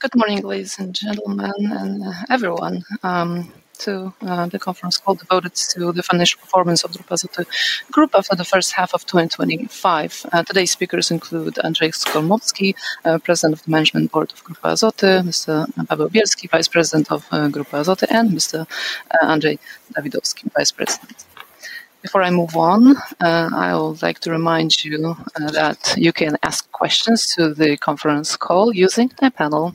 Good morning, ladies and gentlemen, and everyone, to the conference call devoted to the financial performance of the Grupa after the first half of 2025. Today's speakers include Andrzej Skolmowski, President of the Management Board of Grupa, Mr. Paweł Bielski, Vice President of Grupa, and Mr. Andrzej Dawidowski, Vice President. Before I move on, I would like to remind you that you can ask questions to the conference call using the panel,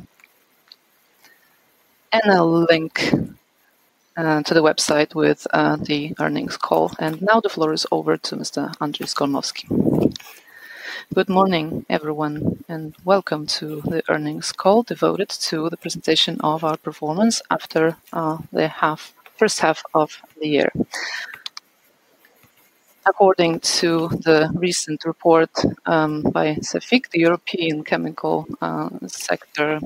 and a link to the website with the earnings call. Now the floor is over to Mr. Andrzej Skolmowski. Good morning, everyone, and welcome to the Earnings Call Devoted to the Presentation of our Performance after the First Half of the Year. According to the recent report by Cefic, the European chemical sector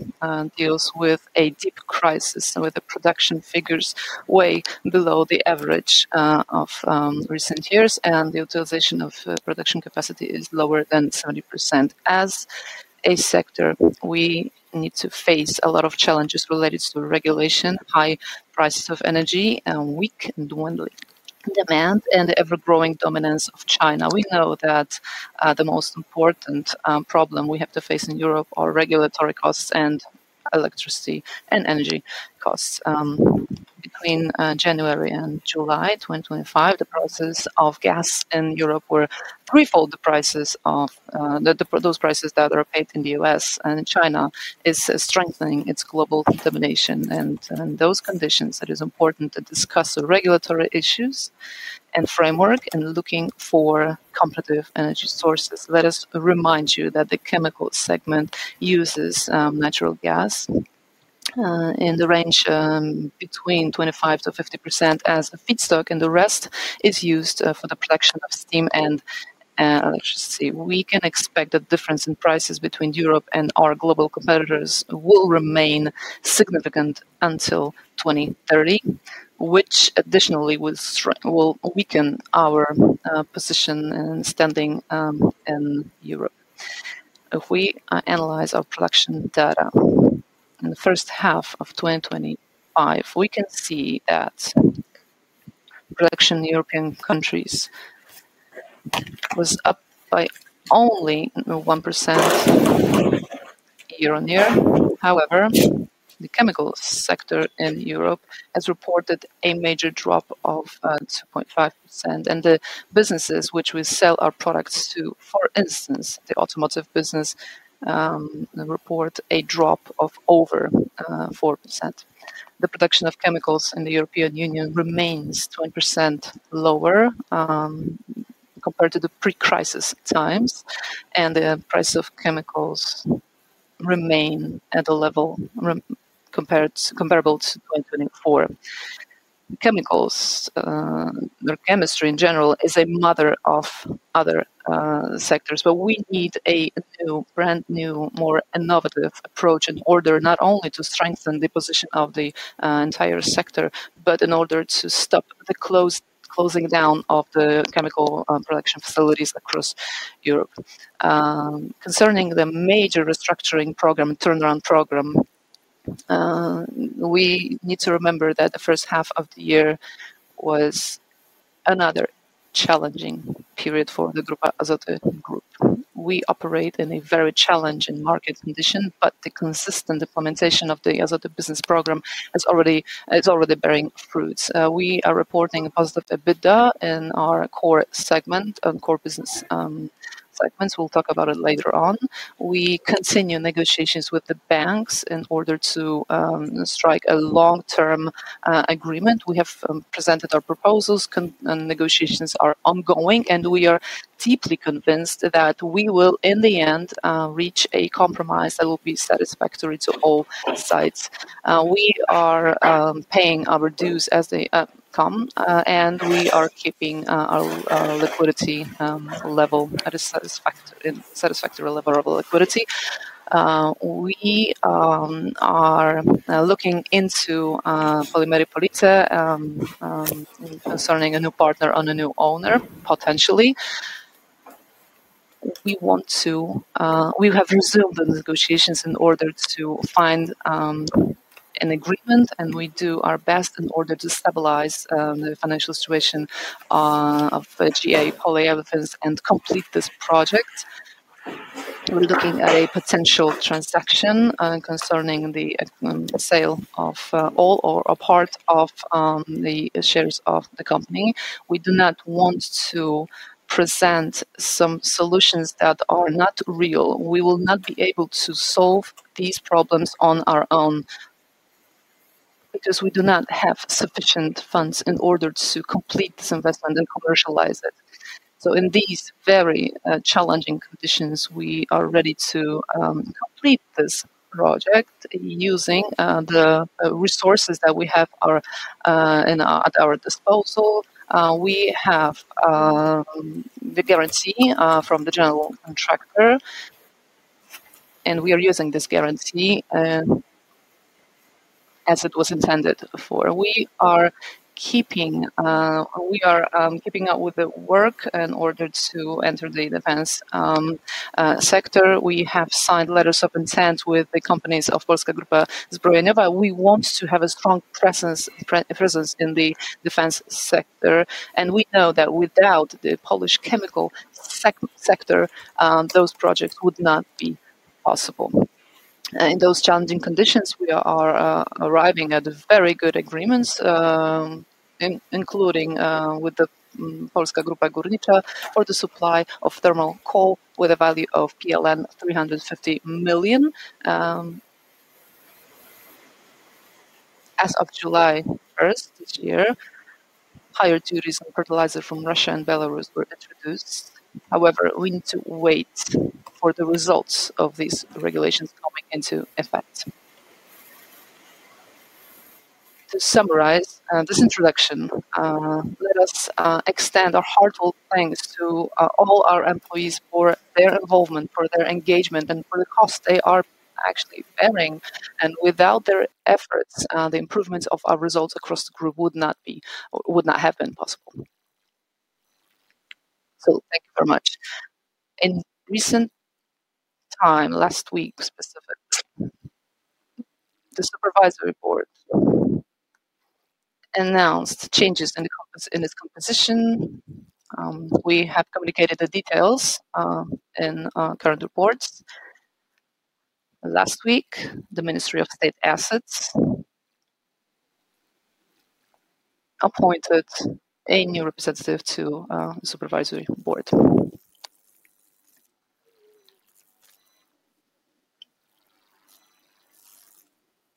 deals with a deep crisis where the production figures are way below the average of recent years, and the utilization of production capacity is lower than 70%. As a sector, we need to face a lot of challenges related to regulation, high prices of energy, weak and dwindling demand, and the ever-growing dominance of China. We know that the most important problem we have to face in Europe is regulatory costs and electricity and energy costs. Between January and July 2025, the prices of gas in Europe were threefold the prices of those that are paid in the U.S., and China is strengthening its global contamination. In those conditions, it is important to discuss regulatory issues and framework and look for competitive energy sources. Let us remind you that the chemical segment uses natural gas in the range between 25%-50% as a feedstock, and the rest is used for the production scheme and electricity. We can expect that the difference in prices between Europe and our global competitors will remain significant until 2030, which additionally will weaken our position and standing in Europe. If we analyze our production data in the first half of 2025, we can see that production in European countries was up by only 1% year-on-year. However, the chemical sector in Europe has reported a major drop of 2.5%, and the businesses which we sell our products to, for instance, the automotive business, report a drop of over 4%. The production of chemicals in the European Union remains 20% lower compared to the pre-crisis times, and the price of chemicals remains at a level comparable to 2024. Chemicals, their chemistry in general, is a mother of other sectors, but we need a brand new, more innovative approach in order not only to strengthen the position of the entire sector, but in order to stop the closing down of the chemical production facilities across Europe. Concerning the major restructuring program, turnaround program, we need to remember that the first half of the year was another challenging period for the Grupa Azoty Group. We operate in a very challenging market condition, but the consistent implementation of the Azoty Business Program is already bearing fruits. We are reporting a positive EBITDA in our core segment and core business segments. We'll talk about it later on. We continue negotiations with the banks in order to strike a long-term agreement. We have presented our proposals. Negotiations are ongoing, and we are deeply convinced that we will, in the end, reach a compromise that will be satisfactory to all sides. We are paying our dues as they come, and we are keeping our liquidity level at a satisfactory level of liquidity. We are looking into the Polimery Police project concerning a new partner and a new owner, potentially. We have resumed the negotiations in order to find an agreement, and we do our best in order to stabilize the financial situation of GA Polyolefins and complete this project. We're looking at a potential transaction concerning the sale of all or a part of the shares of the company. We do not want to present some solutions that are not real. We will not be able to solve these problems on our own because we do not have sufficient funds in order to complete this investment and commercialize it. In these very challenging conditions, we are ready to complete this project using the resources that we have at our disposal. We have the guarantee from the general contractor, and we are using this guarantee as it was intended for. We are keeping up with the work in order to enter the defense sector. We have signed letters of intent with the companies of Polska Grupa Zbrojeniowa (PGZ). We want to have a strong presence in the defense sector, and we know that without the Polish chemical sector, those projects would not be possible. In those challenging conditions, we are arriving at very good agreements, including with Polska Grupa Górnicza for the supply of thermal coal with a value of PLN 350 million. As of July 1st this year, higher duties on fertilizer from Russia and Belarus were introduced. However, we need to wait for the results of these regulations coming into effect. To summarize this introduction, let's extend our heartfelt thanks to all our employees for their involvement, for their engagement, and for the cost they are actually bearing. Without their efforts, the improvements of our results across the group would not be or would not have been possible. Thank you very much. In recent time, last week specifically, the Supervisory Board announced changes in its composition. We have communicated the details in current reports. Last week, the Ministry of State Assets appointed a new representative to the Supervisory Board.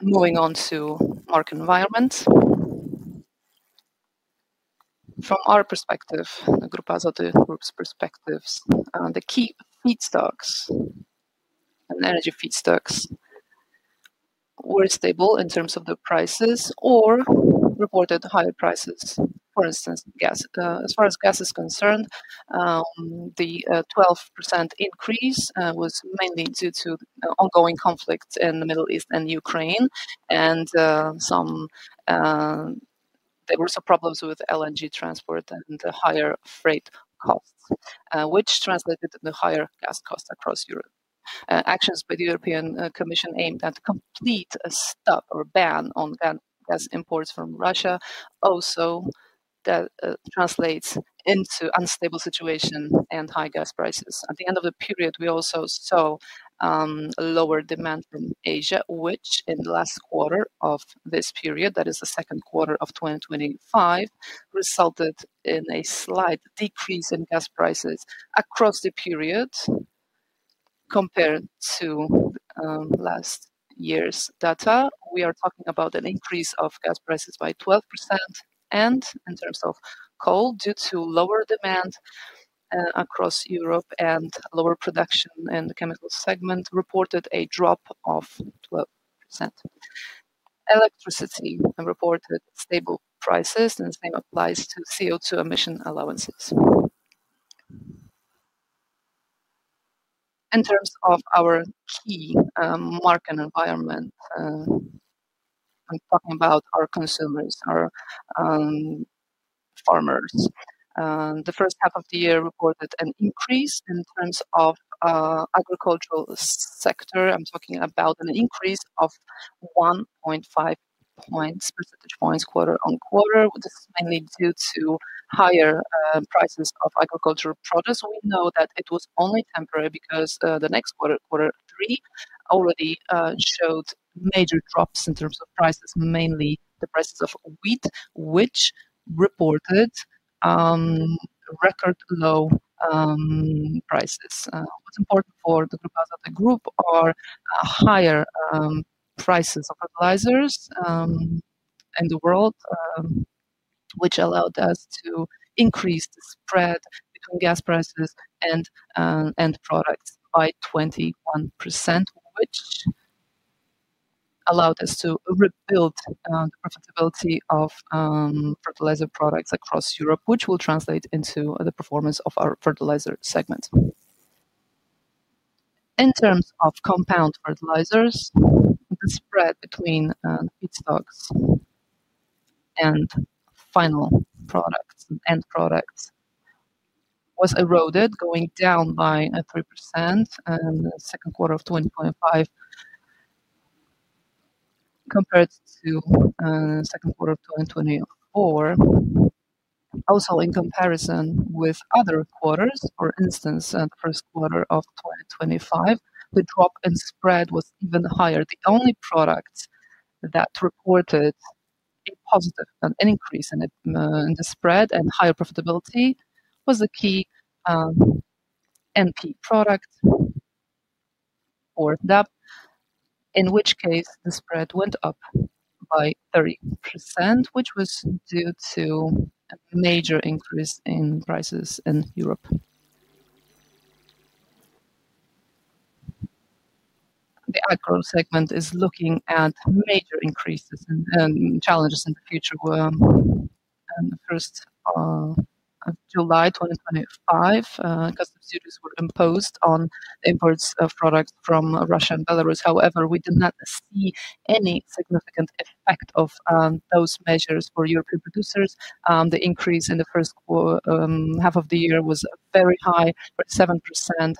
Moving on to market environment. From our perspective, the Grupa Azoty Group's perspectives, the key feedstocks and energy feedstocks were stable in terms of the prices or reported higher prices. For instance, as far as gas is concerned, the 12% increase was mainly due to ongoing conflicts in the Middle East and Ukraine, and there were some problems with LNG transport and higher freight costs, which translated into higher gas costs across Europe. Actions by the European Commission aimed at a complete stop or ban on gas imports from Russia also translate into an unstable situation and high gas prices. At the end of the period, we also saw a lower demand from Asia, which in the last quarter of this period, that is the second quarter of 2025, resulted in a slight decrease in gas prices across the period compared to last year's data. We are talking about an increase of gas prices by 12%. In terms of coal, due to lower demand across Europe and lower production in the chemical segment, reported a drop of 12%. Electricity reported stable prices, and the same applies to CO2 emission allowances. In terms of our key market environment, I'm talking about our consumers, our farmers. The first half of the year reported an increase in terms of the agricultural sector. I'm talking about an increase of 1.5 percentage points quarter-on-quarter. This is mainly due to higher prices of agricultural produce. We know that it was only temporary because the next quarter, quarter three, already showed major drops in terms of prices, mainly the prices of wheat, which reported record low prices. What's important for the Grupa Azoty Group are higher prices of fertilizers in the world, which allowed us to increase the spread between gas prices and products by 21%, which allowed us to rebuild the profitability of fertilizer products across Europe, which will translate into the performance of our fertilizer segment. In terms of compound fertilizers, the spread between feedstocks and final products and end products was eroded, going down by 3% in the second quarter of 2025 compared to the second quarter of 2024. Also, in comparison with other quarters, for instance, the first quarter of 2025, the drop in spread was even higher. The only products that reported a positive increase in the spread and higher profitability were the key NP products or DAP, in which case the spread went up by 30%, which was due to a major increase in prices in Europe. The Agro segment is looking at major increases and challenges in the future. First, July 2025, customs duties were imposed on imports of products from Russia and Belarus. However, we did not see any significant effect of those measures for European producers. The increase in the first half of the year was very high, 7%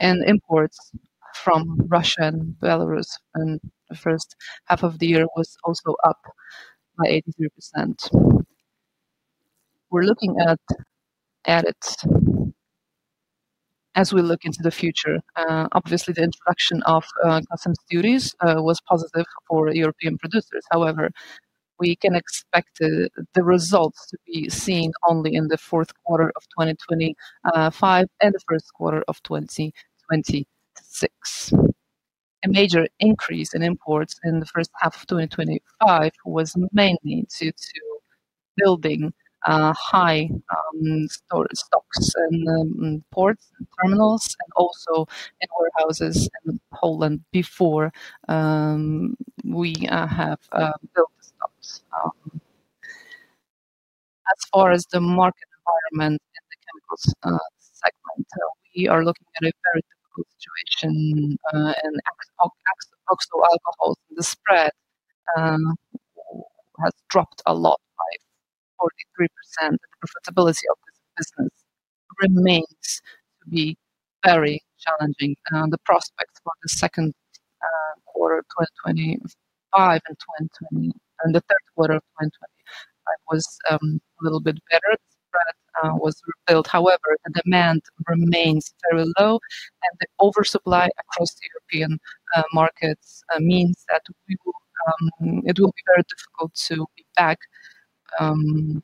year-on-year. Imports from Russia and Belarus in the first half of the year were also up by 83%. We're looking at it as we look into the future. Obviously, the introduction of customs duties was positive for European producers. However, we can expect the results to be seen only in the fourth quarter of 2025 and the first quarter of 2026. A major increase in imports in the first half of 2025 was mainly due to building high storage stocks in ports, terminals, and also in warehouses in Poland before we have built the stocks. As far as the market environment in the chemicals segment, we are looking at a very difficult situation. Exports of alcohol to the spread has dropped a lot by 43%. The profitability of this business remains to be very challenging. The prospects for the second quarter of 2025 and the third quarter of 2025 were a little bit better. The spread was rebuilt. However, the demand remains very low, and the oversupply across the European markets means that it will be very difficult to be back to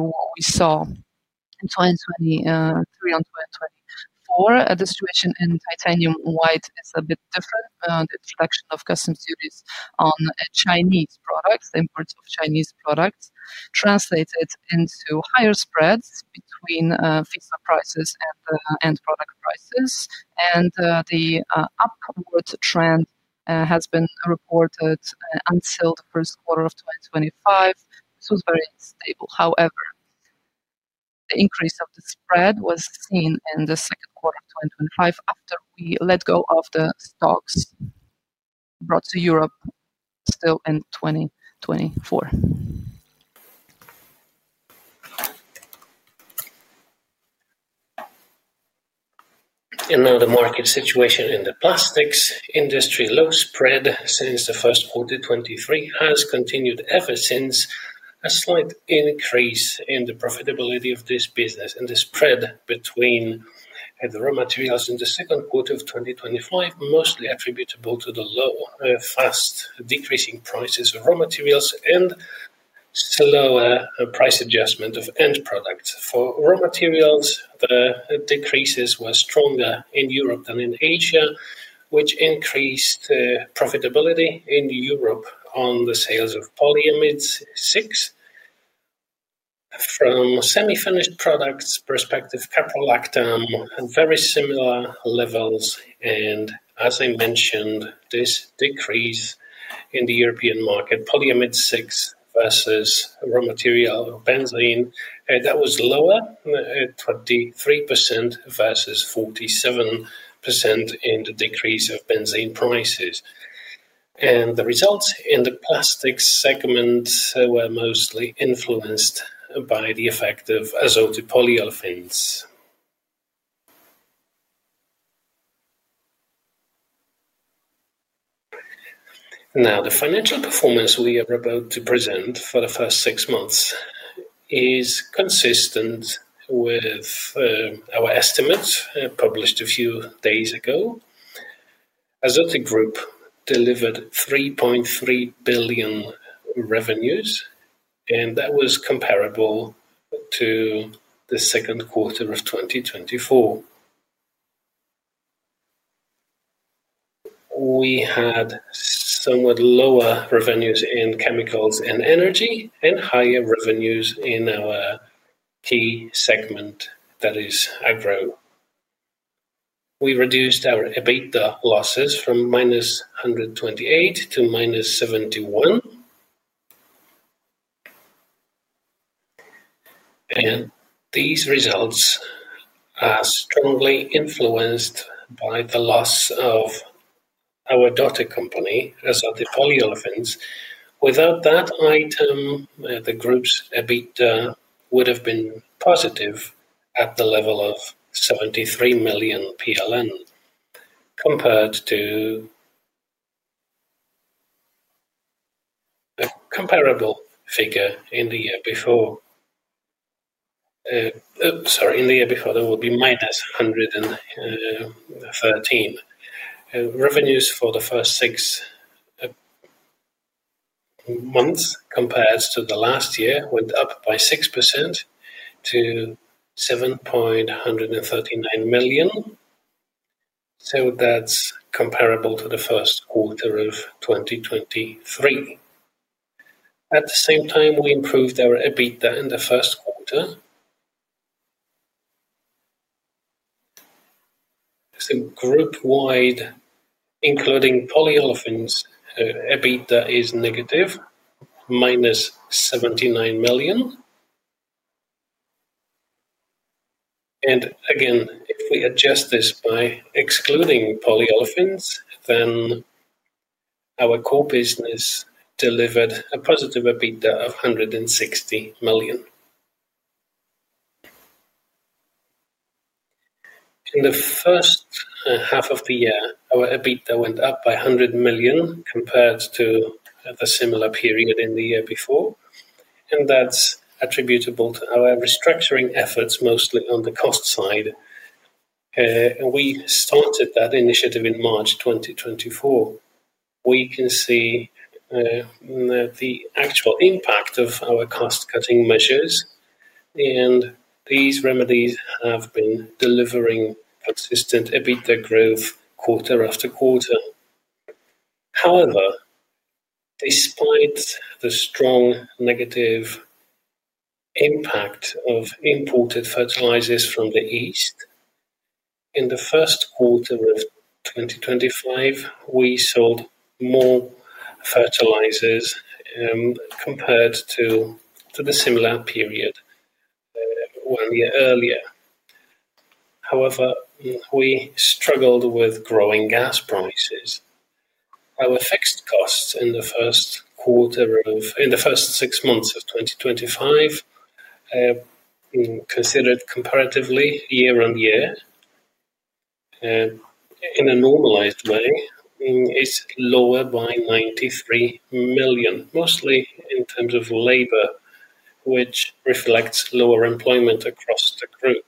what we saw in 2023 and 2024. The situation in titanium white is a bit different. The introduction of customs duties on Chinese products, the imports of Chinese products, translated into higher spreads between feedstock prices and product prices. The upward trend has been reported until the first quarter of 2025. It was very stable. However, the increase of the spread was seen in the second quarter of 2025 after we let go of the stocks brought to Europe still in 2024. In all the market situation in the plastics industry, low spread since the first quarter of 2023 has continued ever since. A slight increase in the profitability of this business and the spread between the raw materials in the second quarter of 2025, mostly attributable to the low, fast decreasing prices of raw materials and slower price adjustment of end products. For raw materials, the decreases were stronger in Europe than in Asia, which increased profitability in Europe on the sales of polyamide-6. From a semi-finished products perspective, caprolactam had very similar levels. As I mentioned, this decrease in the European market, polyamide 6 versus raw material or benzene, that was lower at 23% versus 47% in the decrease of benzene prices. The results in the plastics segment were mostly influenced by the effect of Azoty Polyolefins. Now, the financial performance we are about to present for the first six months is consistent with our estimates published a few days ago. Azoty Group delivered 3.3 billion revenues, and that was comparable to the second quarter of 2024. We had somewhat lower revenues in chemicals and energy and higher revenues in our key segment, that is Agro. We reduced our EBITDA losses from -128 million--71 million. These results are strongly influenced by the loss of our daughter company, Azoty Polyolefins. Without that item, the group's EBITDA would have been positive at the level of 73 million PLN compared to a comparable figure in the year before. Sorry, in the year before, that would-PLN 113 million. Revenues for the first six months compared to the last year went up by 6% to 7.139 million. That's comparable to the first quarter of 2023. At the same time, we improved our EBITDA in the first quarter. Group-wide, including polyolefins, EBITDA is negative, -PLN 79 million. Again, if we adjust this by excluding polyolefins, then our core business delivered a positive EBITDA of 160 million. In the first half of the year, our EBITDA went up by 100 million compared to the similar period in the year before. That's attributable to our restructuring efforts, mostly on the cost side. We started that initiative in March 2024. We can see that the actual impact of our cost-cutting measures, and these remedies have been delivering consistent EBITDA growth quarter after quarter. However, despite the strong negative impact of imported fertilizers from the east, in the first quarter of 2025, we sold more fertilizers compared to the similar period one year earlier. However, we struggled with growing gas prices. Our fixed costs in the first quarter of, in the first six months of 2025, considered comparatively year-on-year in a normalized way, is lower by 93 million, mostly in terms of labor, which reflects lower employment across the group.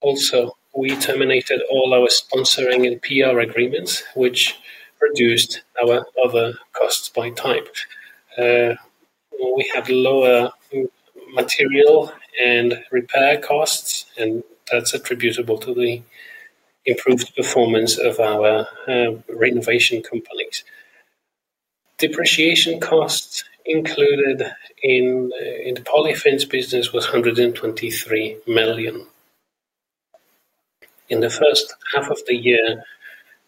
Also, we terminated all our sponsoring and PR agreements, which reduced our other costs by type. We have lower material and repair costs, and that's attributable to the improved performance of our renovation companies. Depreciation costs included in the Polyolefins business was 123 million. In the first half of the year,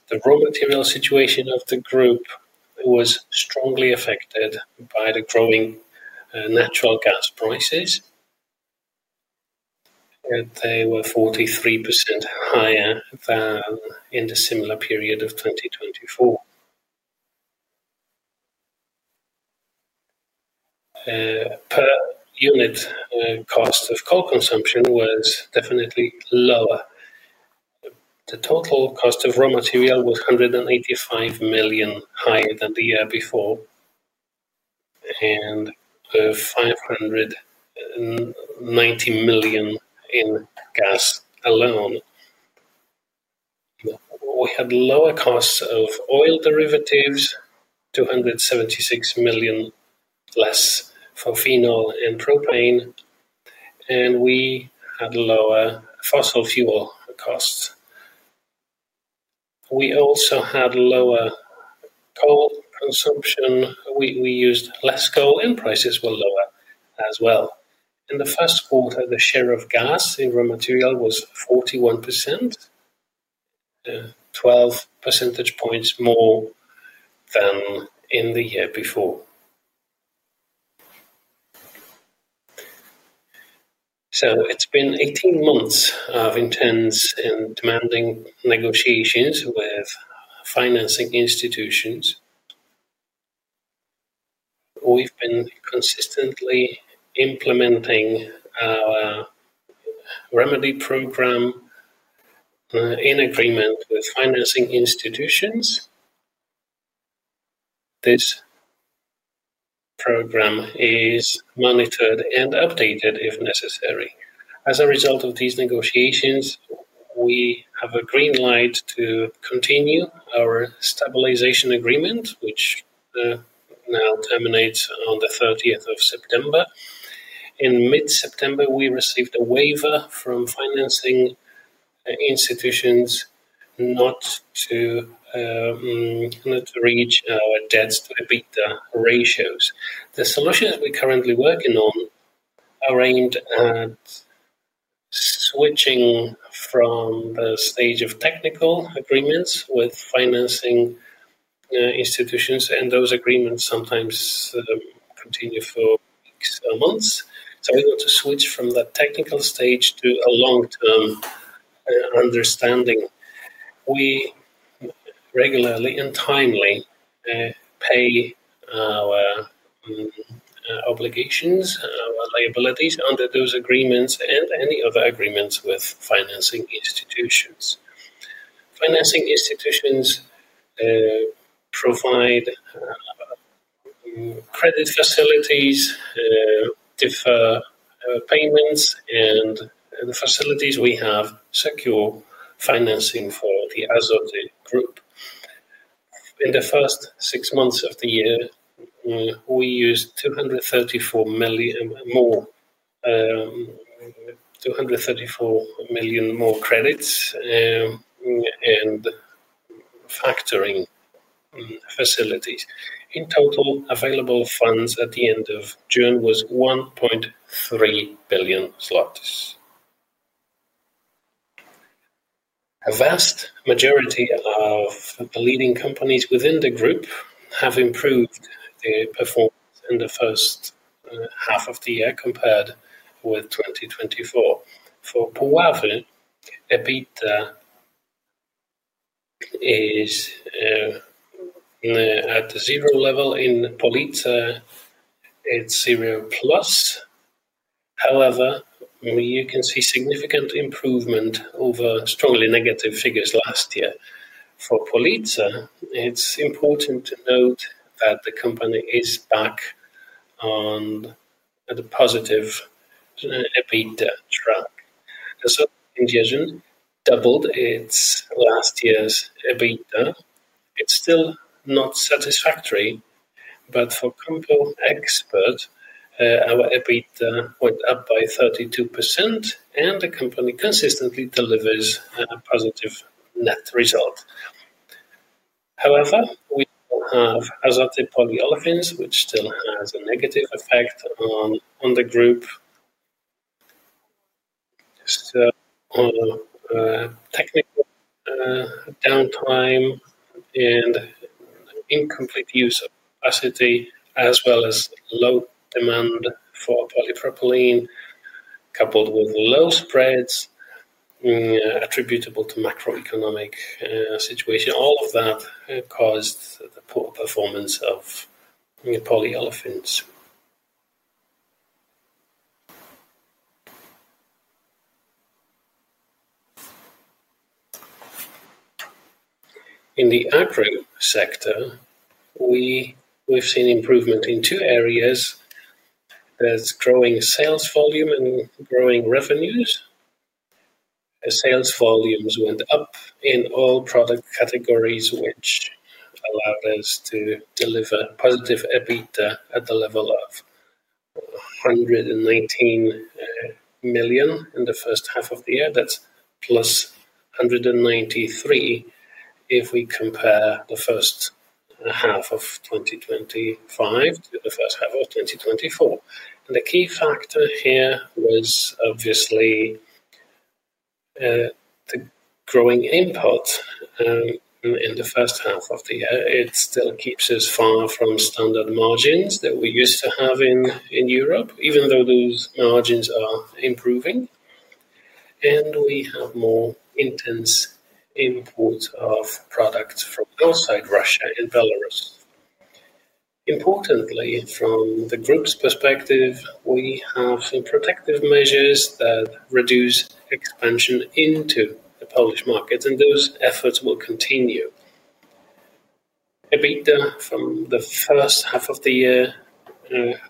the raw material situation of the group was strongly affected by the growing natural gas prices. They were 43% higher than in the similar period of 2024. Per unit, the cost of coal consumption was definitely lower. The total cost of raw material was 185 million higher than the year before, and 590 million in gas alone. We had lower costs of oil derivatives, 276 million less for phenol and propane, and we had lower fossil fuel costs. We also had lower coal consumption. We used less coal, and prices were lower as well. In the first quarter, the share of gas in raw material was 41%, 12 percentage points more than in the year before. It has been 18 months of intense and demanding negotiations with financing institutions. We've been consistently implementing our remedy program in agreement with financing institutions. This program is monitored and updated if necessary. As a result of these negotiations, we have a green light to continue our stabilization agreement, which now terminates on the 30th of September. In mid-September, we received a waiver from financing institutions not to reach our debts to EBITDA ratios. The solutions we're currently working on are aimed at switching from the stage of technical agreements with financing institutions, and those agreements sometimes continue for weeks or months. We want to switch from the technical stage to a long-term understanding. We regularly and timely pay our obligations, our liabilities under those agreements and any other agreements with financing institutions. Financing institutions provide credit facilities, defer payments, and the facilities we have secure financing for the Azoty Group. In the first six months of the year, we used 234 million more credits and factoring facilities. In total, available funds at the end of June was 1.3 billion zlotys. A vast majority of the leading companies within the group have improved their performance in the first half of the year compared with 2024. For Puławy, EBITDA is at the zero level. In Police, it's 0+. However, you can see significant improvement over strongly negative figures last year. For Police, it's important to note that the company is back on a positive EBITDA track. Azoty Engineering doubled its last year's EBITDA. It's still not satisfactory, but for COMPO EXPERT, our EBITDA went up by 32%, and the company consistently delivers a positive net result. However, we still have Grupa Azoty Polyolefins, which still has a negative effect on the group. Just on technical downtime and incomplete use of capacity, as well as low demand for polypropylene, coupled with low spreads attributable to macroeconomic situation, all of that caused the poor performance of Polyolefins. In the Agro sector, we've seen improvement in two areas, growing sales volume and growing revenues. Sales volumes went up in all product categories, which allowed us to deliver positive EBITDA at the level of 119 million in the first half of the year. That's +193 million if we compare the first half of 2025 to the first half of 2024. The key factor here was obviously the growing imports in the first half of the year. It still keeps us far from standard margins that we used to have in Europe, even though those margins are improving. We have more intense imports of products from outside Russia and Belarus. Importantly, from the group's perspective, we have some protective measures that reduce expansion into the Polish market, and those efforts will continue. EBITDA from the first half of the year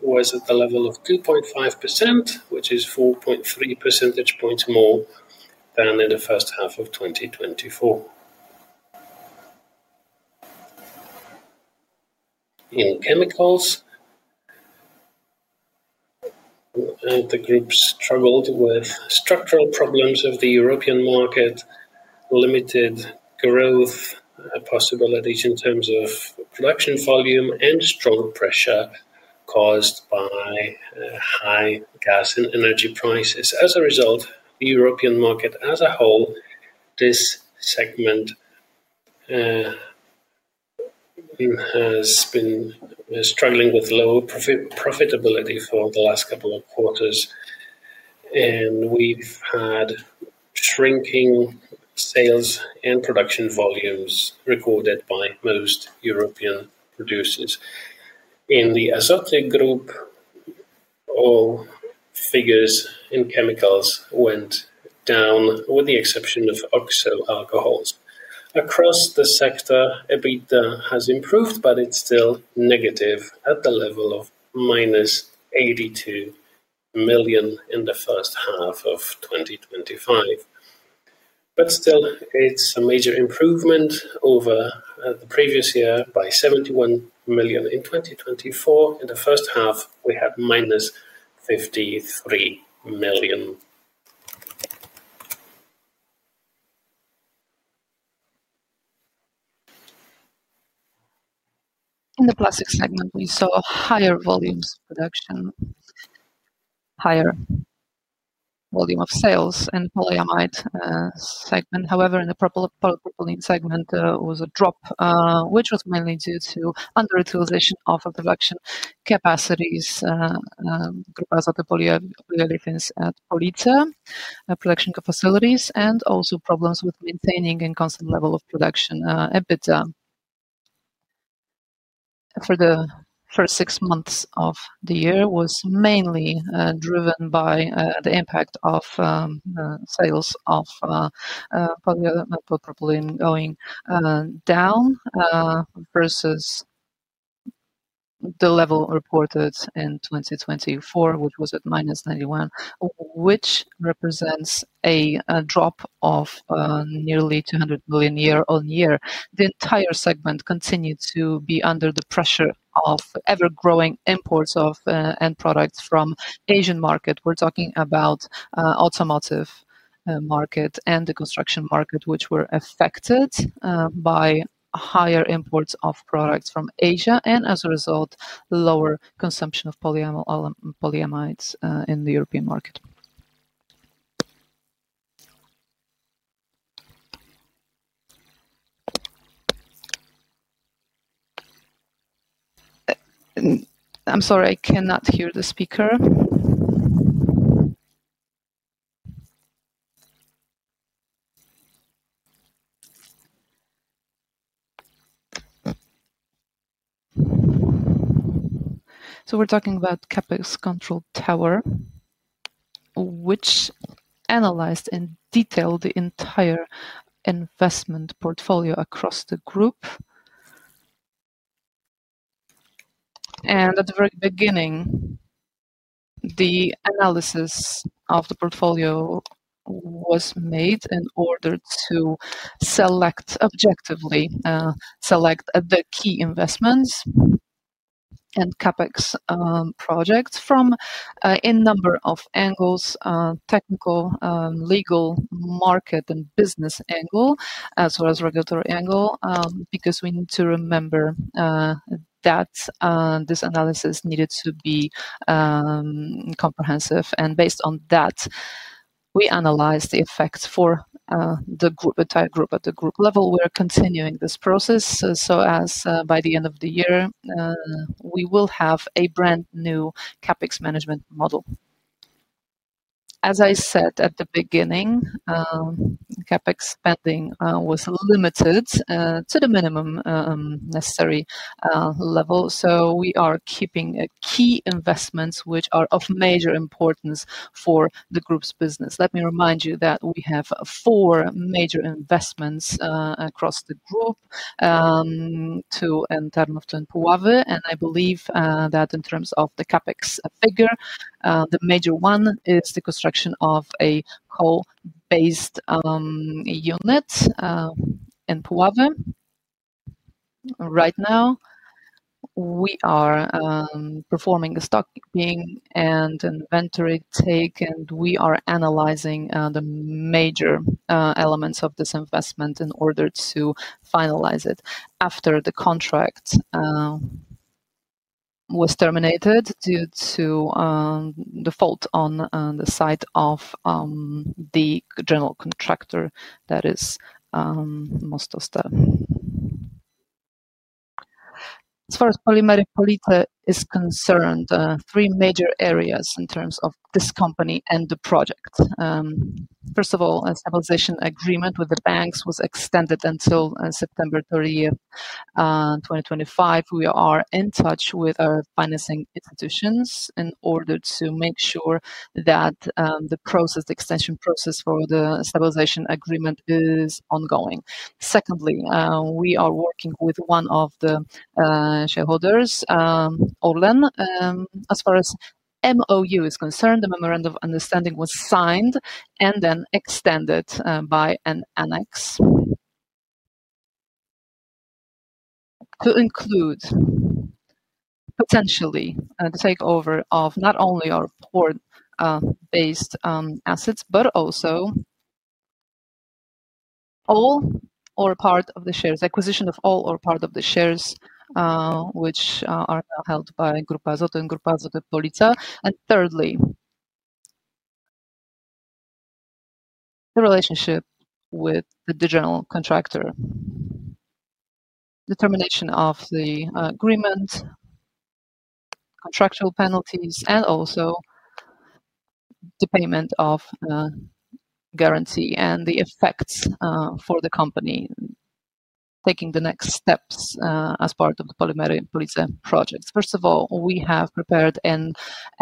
was at the level of 2.5%, which is 4.3 percentage points more than in the first half of 2024. In chemicals, the group struggled with structural problems of the European market, limited growth possibilities in terms of production volume, and strong pressure caused by high gas and energy prices. As a result, the European market as a whole, this segment has been struggling with lower profitability for the last couple of quarters. We've had shrinking sales and production volumes recorded by most European producers. In the Azoty Group, all figures in chemicals went down with the exception of oxo alcohols. Across the sector, EBITDA has improved, but it's still negative at the level of -82 million in the first half of 2025. It's a major improvement over the previous year by 71 million in 2024. In the first half, we had -53 million. In the plastics segment, we saw higher volumes of production, higher volume of sales, and polyamide segment. However, in the polypropylene segment, there was a drop, which was mainly due to underutilization of our production capacities, Grupa Polyolefins at Police, production facilities, and also problems with maintaining a constant level of production. EBITDA for the first six months of the year was mainly driven by the impact of sales of polypropylene going down versus the level reported in 2024, which was at minus 91, which represents a drop of nearly 200 million year-on-year. The entire segment continued to be under the pressure of ever-growing imports of end products from the Asian market. We're talking about the automotive market and the construction market, which were affected by higher imports of products from Asia, and as a result, lower consumption of polyamides in the European market. I'm sorry, I cannot hear the speaker. We are talking about CapEx Control Tower, which analyzed in detail the entire investment portfolio across the group. At the very beginning, the analysis of the portfolio was made in order to select objectively, select the key investments and CapEx projects from a number of angles: technical, legal, market, and business angle, as well as regulatory angle, because we need to remember that this analysis needed to be comprehensive. Based on that, we analyzed the effects for the entire group at the group level. We are continuing this process so as by the end of the year, we will have a brand new CapEx management model. As I said at the beginning, CapEx spending was limited to the minimum necessary level. We are keeping key investments which are of major importance for the group's business. Let me remind you that we have four major investments across the group: two in Tarnów and Puławy. I believe that in terms of the CapEx figure, the major one is the construction of a coal-based unit in Puławy. Right now, we are performing stocking and inventory take, and we are analyzing the major elements of this investment in order to finalize it. After the contract was terminated due to default on the side of the general contractor, that is, Mostostal. As far as the Polimery Police is concerned, three major areas in terms of this company and the project. First of all, a stabilization agreement with the banks was extended until September 30th, 2025. We are in touch with our financing institutions in order to make sure that the extension process for the stabilization agreement is ongoing. Secondly, we are working with one of the shareholders, Orlen. As far as the MOU is concerned, the memorandum of understanding was signed and then extended by an annex to include potentially the takeover of not only our port-based assets, but also all or part of the shares, acquisition of all or part of the shares, which are held by Grupa and Grupa Azoty Police. Thirdly, the relationship with the general contractor, the termination of the agreement, contractual penalties, and also the payment of a guarantee and the effects for the company taking the next steps as part of the Polimery Police project. First of all, we have prepared an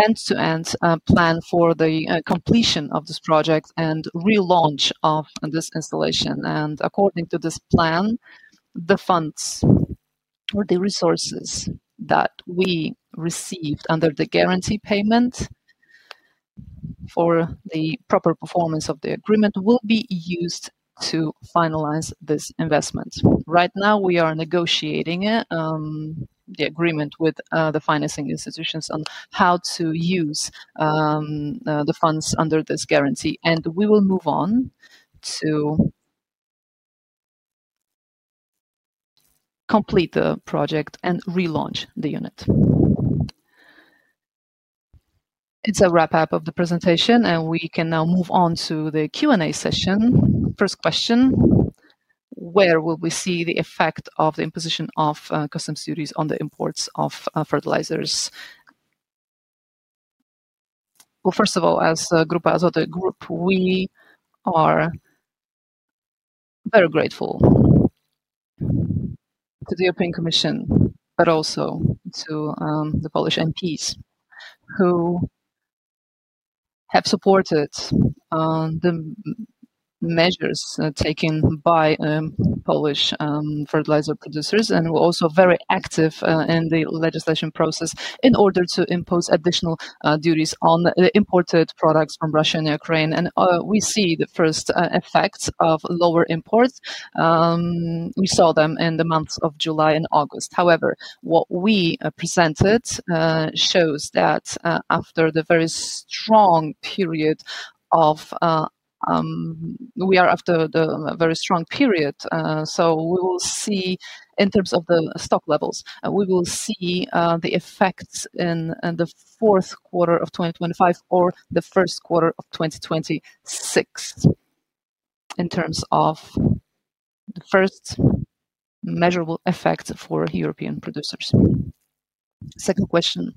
end-to-end plan for the completion of this project and relaunch of this installation. According to this plan, the funds or the resources that we received under the guarantee payment for the proper performance of the agreement will be used to finalize this investment. Right now, we are negotiating the agreement with the financing institutions on how to use the funds under this guarantee. We will move on to complete the project and relaunch the unit. It's a wrap-up of the presentation, and we can now move on to the Q&A session. First question, where will we see the effect of the imposition of customs duties on the imports of fertilizers? As Grupa Azoty Group, we are very grateful to the European Commission, but also to the Polish MPs who have supported the measures taken by Polish fertilizer producers and were also very active in the legislation process in order to impose additional duties on imported products from Russia and Ukraine. We see the first effects of lower imports. We saw them in the months of July and August. What we presented shows that after the very strong period, we are after the very strong period. In terms of the stock levels, we will see the effects in the fourth quarter of 2025 or the first quarter of 2026 in terms of the first measurable effects for European producers. Second question,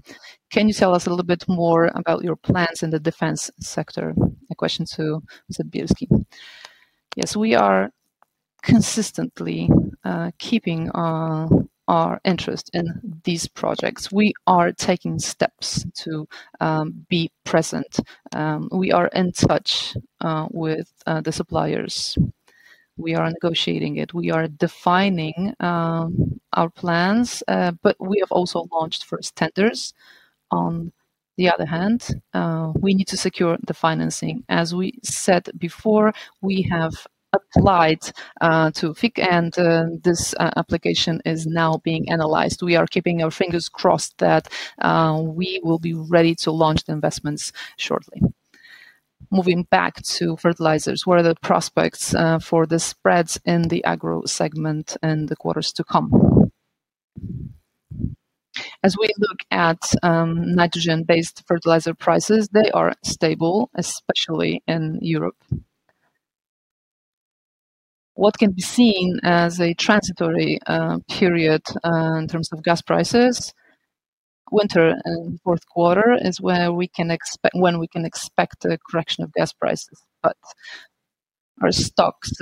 can you tell us a little bit more about your plans in the defense sector? A question to Mr. Bielski. Yes, we are consistently keeping our interest in these projects. We are taking steps to be present. We are in touch with the suppliers. We are negotiating it. We are defining our plans, but we have also launched first tenders. On the other hand, we need to secure the financing. As we said before, we have applied to FIC, and this application is now being analyzed. We are keeping our fingers crossed that we will be ready to launch the investments shortly. Moving back to fertilizers, what are the prospects for the spreads in the Agro segment in the quarters to come? As we look at nitrogen-based fertilizer prices, they are stable, especially in Europe. What can be seen as a transitory period in terms of gas prices? Winter and fourth quarter is when we can expect a correction of gas prices. Our stocks,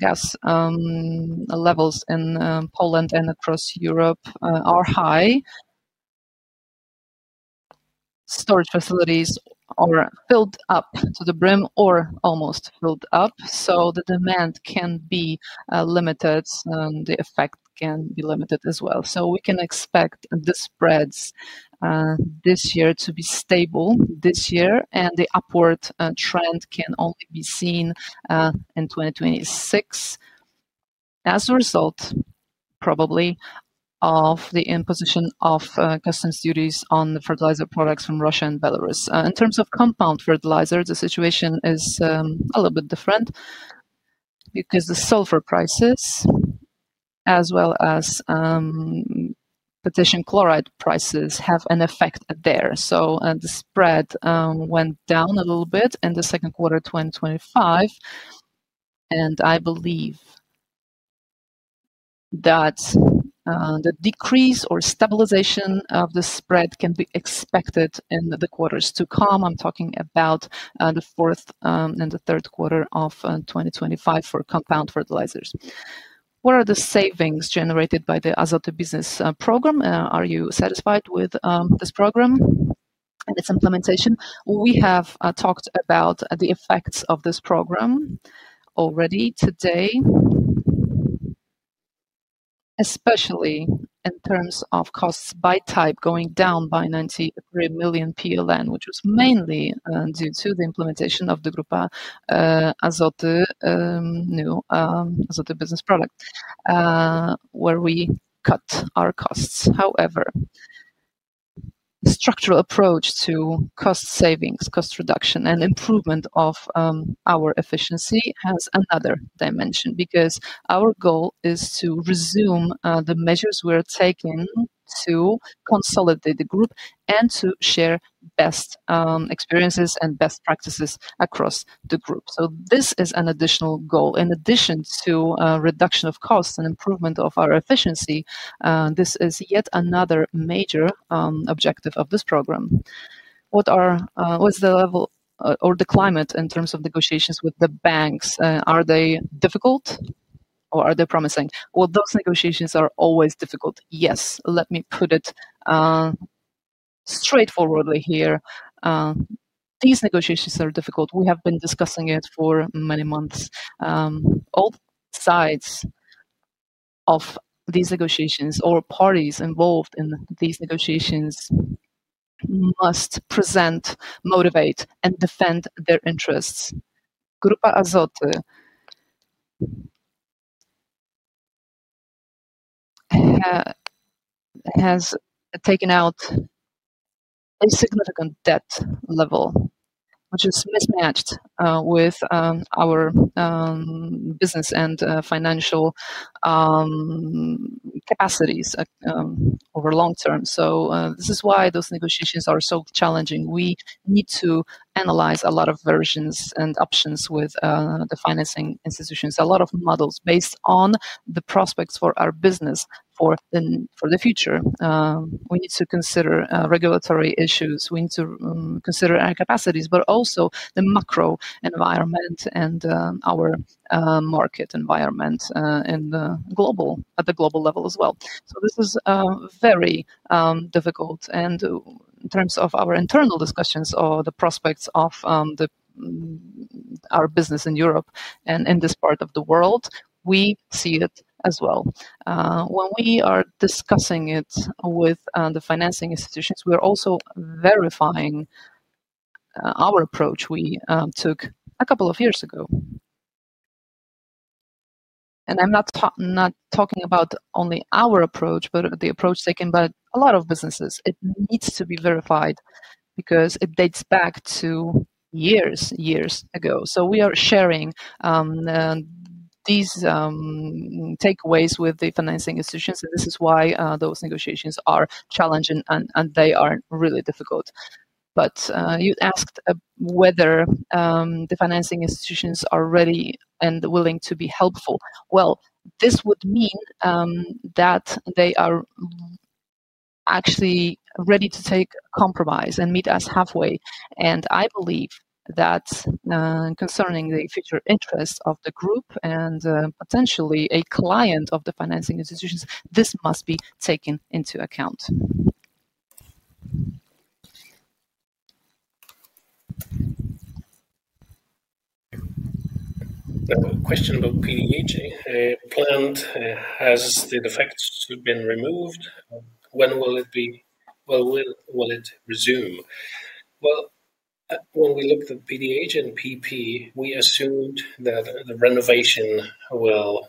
gas levels in Poland and across Europe are high. Storage facilities are filled up to the brim or almost filled up. The demand can be limited, and the effect can be limited as well. We can expect the spreads this year to be stable this year, and the upward trend can only be seen in 2026 as a result probably of the imposition of customs duties on the fertilizer products from Russia and Belarus. In terms of compound fertilizer, the situation is a little bit different because the sulfur prices, as well as potassium chloride prices, have an effect there. The spread went down a little bit in the second quarter of 2025. I believe that the decrease or stabilization of the spread can be expected in the quarters to come. I'm talking about the fourth and the third quarter of 2025 for compound fertilizers. What are the savings generated by the Azoty Business Program? Are you satisfied with this program and its implementation? We have talked about the effects of this program already today, especially in terms of costs by type going down by 93 million PLN, which was mainly due to the implementation of the Grupa Azoty new Azoty Business Product, where we cut our costs. However, the structural approach to cost savings, cost reduction, and improvement of our efficiency has another dimension because our goal is to resume the measures we're taking to consolidate the group and to share best experiences and best practices across the group. This is an additional goal. In addition to reduction of costs and improvement of our efficiency, this is yet another major objective of this program. What is the level or the climate in terms of negotiations with the banks? Are they difficult or are they promising? Those negotiations are always difficult. Yes, let me put it straightforwardly here. These negotiations are difficult. We have been discussing it for many months. All sides of these negotiations or parties involved in these negotiations must present, motivate, and defend their interests. Grupa Azoty has taken out a significant debt level, which is mismatched with our business and financial capacities over the long term. This is why those negotiations are so challenging. We need to analyze a lot of versions and options with the financing institutions, a lot of models based on the prospects for our business for the future. We need to consider regulatory issues. We need to consider our capacities, but also the macro environment and our market environment at the global level as well. This is very difficult. In terms of our internal discussions or the prospects of our business in Europe and in this part of the world, we see it as well. When we are discussing it with the financing institutions, we're also verifying our approach we took a couple of years ago. I'm not talking about only our approach, but the approach taken by a lot of businesses. It needs to be verified because it dates back to years, years ago. We are sharing these takeaways with the financing institutions. This is why those negotiations are challenging and they are really difficult. You asked whether the financing institutions are ready and willing to be helpful. This would mean that they are actually ready to take a compromise and meet us halfway. I believe that concerning the future interests of the group and potentially a client of the financing institutions, this must be taken into account. A question about PDH. Poland has in fact been removed. When will it be, or will it resume? When we looked at PDH and PP, we assumed that the renovation will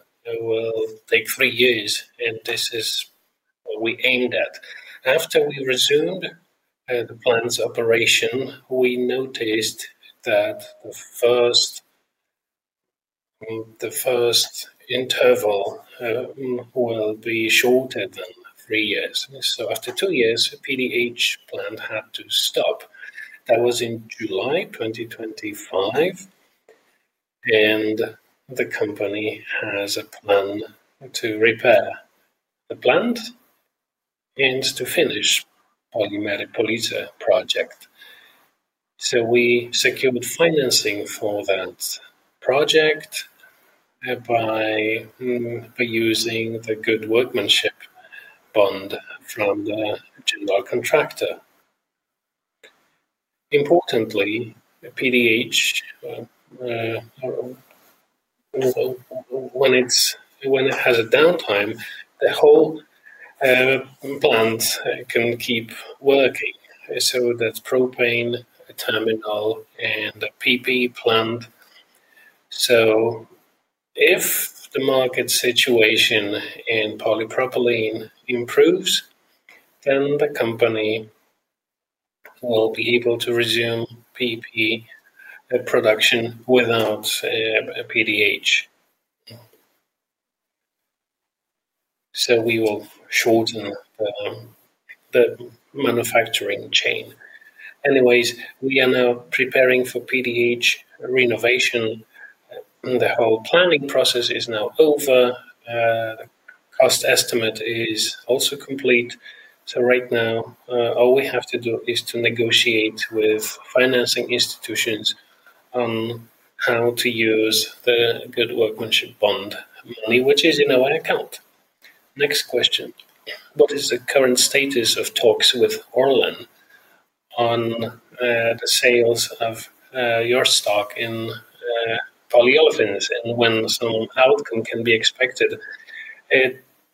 take three years, and this is what we aimed at. After we resumed the plans of operation, we noticed that the first interval will be shorter than three years. After two years, the PDH plant had to stop. That was in July 2025. The company has a plan to repair the plant and to finish the Polimery Police project. We secured financing for that project by using the good workmanship bond from the general contractor. Importantly, PDH, when it has a downtime, the whole plant can keep working. That is propane, a terminal, and a PP plant. If the market situation in polypropylene improves, then the company will be able to resume PP production without a PDH. We will shorten the manufacturing chain. We are now preparing for PDH renovation. The whole planning process is now over. The cost estimate is also complete. Right now, all we have to do is to negotiate with financing institutions on how to use the good workmanship bond money, which is in our account. Next question. What is the current status of talks with Orlen on the sales of your stock in polyolefins and when some outcome can be expected?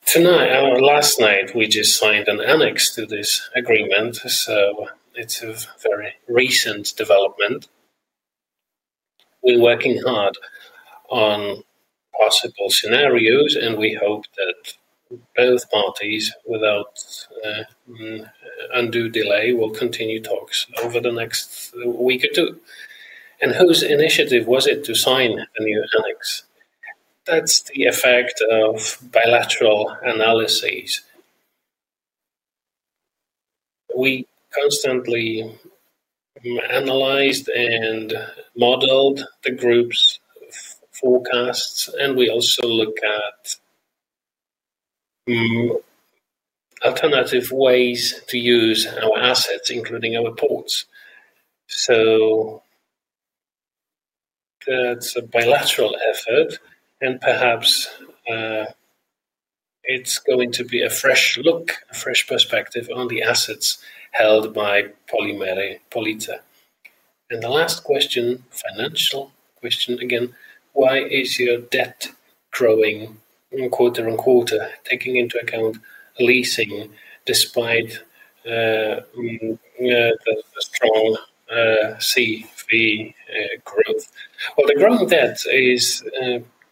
Tonight, last night, we just signed an annex to this agreement. It is a very recent development. We're working hard on possible scenarios, and we hope that both parties, without undue delay, will continue talks over the next week or two. Whose initiative was it to sign a new annex? That's the effect of bilateral analyses. We constantly analyzed and modeled the group's forecasts, and we also look at alternative ways to use our assets, including our ports. That is a bilateral effort, and perhaps it's going to be a fresh look, a fresh perspective on the assets held by Polimery Police. The last question, financial question again, why is your debt growing quarter on quarter, taking into account leasing despite the strong CV growth? The growing debt is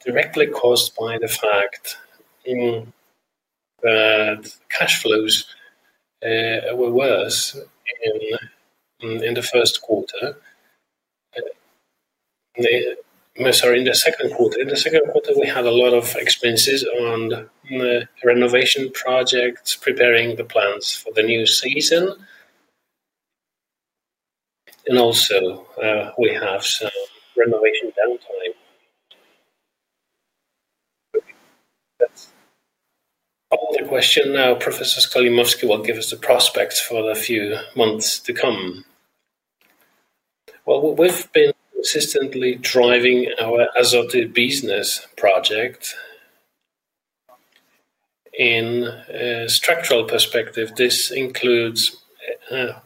directly caused by the fact that cash flows were worse in the first quarter. Sorry, in the second quarter. In the second quarter, we had a lot of expenses on the renovation projects, preparing the plans for the new season. We also have some renovation downtime. A question now. President Skolmowski will give us the prospects for the few months to come. We've been consistently driving our Azoty Business project. In a structural perspective, this includes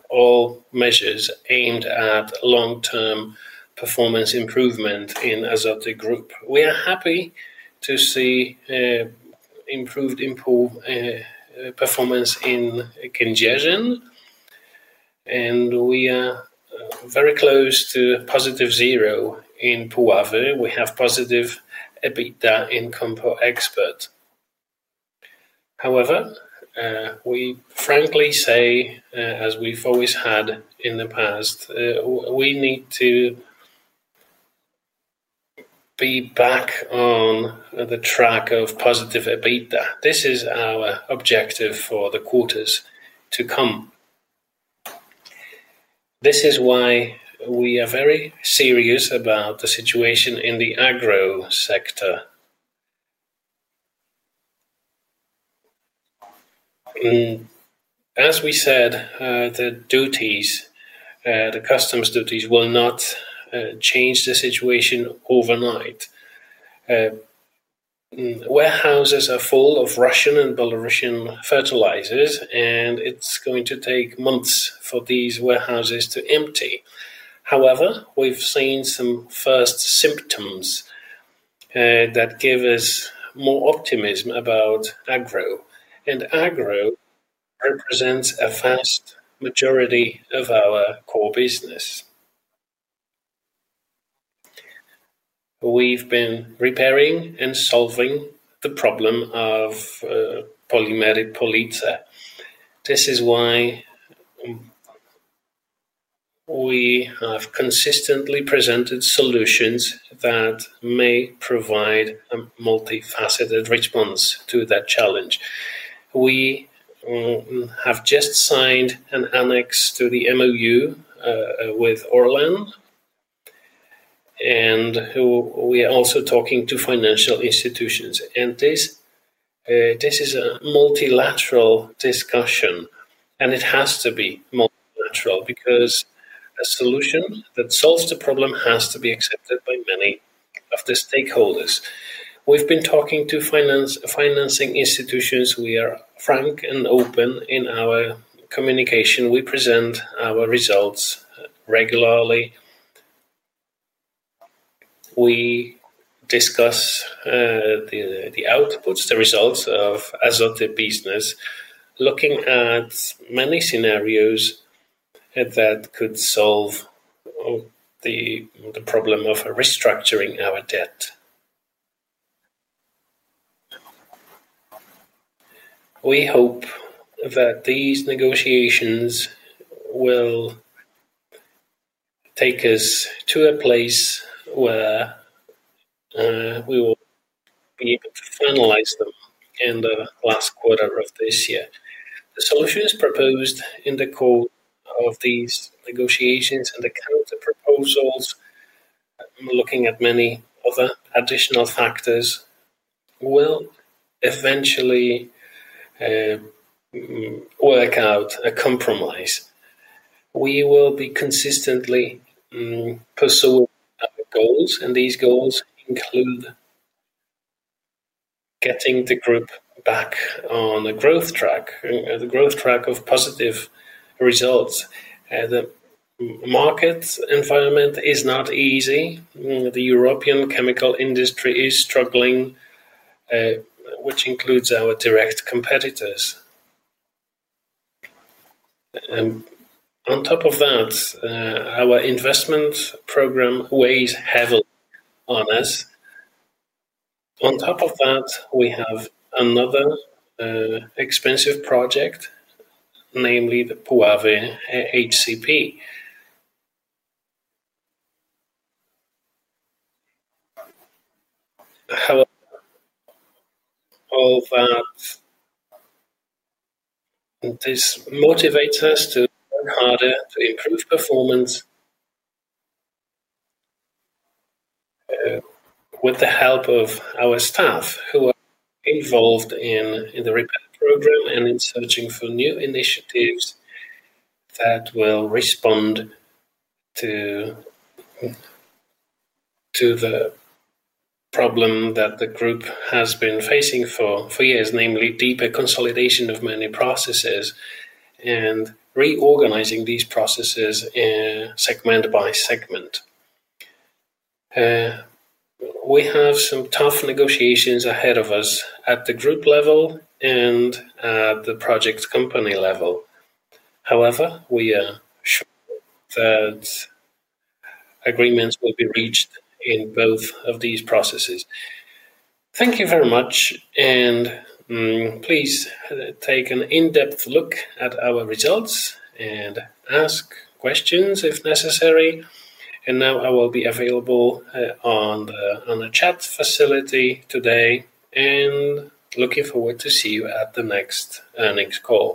all measures aimed at long-term performance improvement in Azoty Group. We are happy to see improved performance in Kędzierzyn, and we are very close to positive zero in Puławy. We have positive EBITDA in COMPO EXPERT. However, we frankly say, as we've always had in the past, we need to be back on the track of positive EBITDA. This is our objective for the quarters to come. This is why we are very serious about the situation in the Agro sector. As we said, the duties, the customs duties will not change the situation overnight. Warehouses are full of Russian and Belarusian fertilizers, and it's going to take months for these warehouses to empty. However, we've seen some first symptoms that give us more optimism about Agro. Agro represents a fast maturity of our core business. We've been repairing and solving the problem of Polimery Police. This is why we have consistently presented solutions that may provide a multifaceted response to that challenge. We have just signed an annex to the MOU with Orlen, and we are also talking to financial institutions. This is a multilateral discussion, and it has to be multilateral because a solution that solves the problem has to be accepted by many of the stakeholders. We've been talking to financing institutions. We are frank and open in our communication. We present our results regularly. We discuss the outputs, the results of Azoty Business, looking at many scenarios that could solve the problem of restructuring our debt. We hope that these negotiations will take us to a place where we will be able to finalize them in the last quarter of this year. The solutions proposed in the course of these negotiations and the counter proposals, looking at many other additional factors, will eventually work out a compromise. We will be consistently pursuing our goals, and these goals include getting the group back on the growth track, the growth track of positive results. The market environment is not easy. The European chemical industry is struggling, which includes our direct competitors. On top of that, our investment program weighs heavy on us. On top of that, we have another expensive project, namely the Puławy HCP. All that motivates us to work harder to improve performance with the help of our staff who are involved in the repair program and in searching for new initiatives that will respond to the problem that the group has been facing for years, namely deeper consolidation of many processes and reorganizing these processes segment by segment. We have some tough negotiations ahead of us at the group level and at the project company level. However, we are sure that agreements will be reached in both of these processes. Thank you very much, and please take an in-depth look at our results and ask questions if necessary. I will be available on the chat facility today, and look forward to seeing you at the next call.